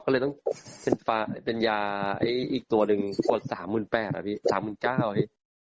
ก็เลยต้องเป็นยาไอ้อีกตัวหนึ่งปกติ๓๘๐๐๐ครับพี่๓๙๐๐๐ครับพี่